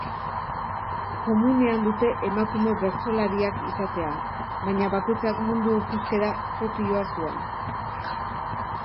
Komunean dute emakume bertsolariak izatea, baina bakoitzak mundu ikuskera propioa zuen.